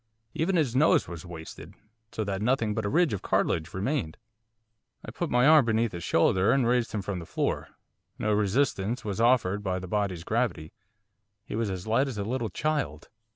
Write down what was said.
Even his nose was wasted, so that nothing but a ridge of cartilage remained. I put my arm beneath his shoulder and raised him from the floor; no resistance was offered by the body's gravity, he was as light as a little child.